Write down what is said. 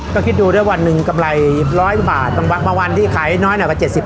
ก็คิดดูด้วยวันหนึ่งกำไรร้อยบาทพอวันที่ขายแน่น้อยกว่าเศ็บสิบ